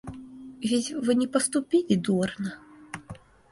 Ведь вы не поступили дурно?